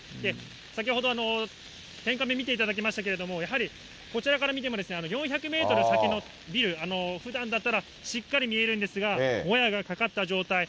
先ほど天カメ見ていただきましたけれど、やはりこちらから見ても、４００メートル先のビル、ふだんだったらしっかり見えるんですが、もやがかかった状態。